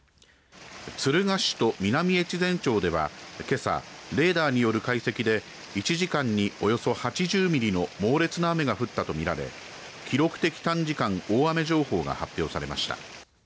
敦賀市と南越前町ではけさ、レーダーによる解析で１時間に、およそ８０ミリの猛烈な雨が降ったとみられ記録的短時間大雨情報が発表されました。